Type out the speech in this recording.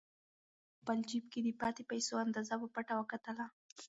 هغه په خپل جېب کې د پاتې پیسو اندازه په پټه وکتله.